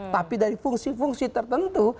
tapi dari fungsi fungsi tertentu